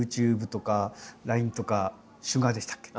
ＹｏｕＴｕｂｅとかＬＩＮＥとかＳＵＧＡＲでしたっけ？